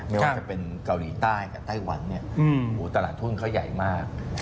ไม่ว่าจะเป็นเกาหลีใต้กับไต้หวันตลาดทุนเขาใหญ่มาก